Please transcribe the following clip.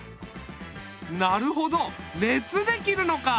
なるほど熱で切るのか！